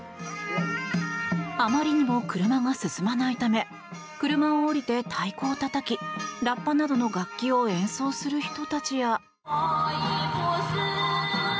あまりにも車が進まないため車を降りて太鼓をたたきラッパなどの楽器を演奏する人たちや。